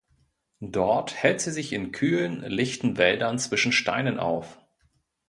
Dort hält sie sich in kühlen, lichten Wäldern zwischen Steinen auf.